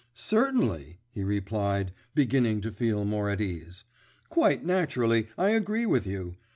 "Certainly," he replied, beginning to feel more at ease. "Quite naturally, I agree with you.